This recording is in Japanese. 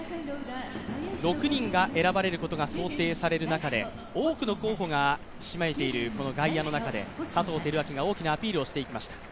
６人が選ばれることが外野陣、多くの候補がひしめいている外野の中で佐藤輝明が大きなアピールをしていきました。